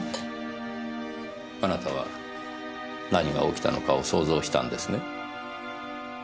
あなたは何が起きたのかを想像したんですね？